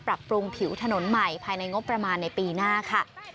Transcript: ปรับปรุงผิวถนนใหม่ภายในงบประมาณในปีหน้าค่ะ